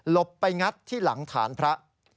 ไปงัดที่หลังฐานพระ